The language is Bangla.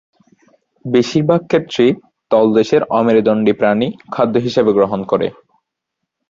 বেশিরভাগ ক্ষেত্রে তলদেশের অমেরুদণ্ডী প্রাণী খাদ্য হিসাবে গ্রহণ করে।